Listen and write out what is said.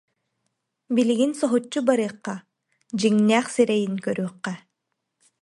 Билигин соһуччу барыахха, дьиҥнээх сирэйин көрүөххэ